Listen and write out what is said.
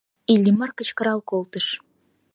— Иллимар кычкырал колтыш.